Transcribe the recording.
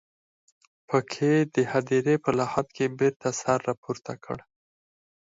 په کې د هديرې په لحد کې بېرته سر راپورته کړ.